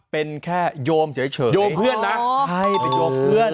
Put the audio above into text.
เป็นแค่โยมเฉยโยมเพื่อนนะใช่เป็นโยมเพื่อน